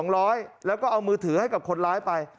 แล้วก็เอามือถือให้กับคนร้ายไป